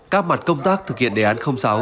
các mặt công tác thực hiện đề án sáu